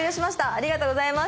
ありがとうございます。